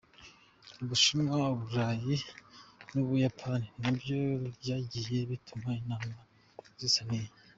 U Bushinwa, Uburayi n’Ubuyapani na byo byagiye bitumiza inama zisa n’iyi.